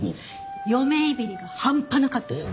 嫁いびりが半端なかったそうで。